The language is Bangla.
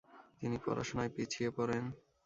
তিনি পড়াশোনায় পিছিয়ে পড়েন ।